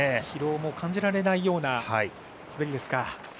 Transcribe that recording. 疲労も感じられないような滑りです。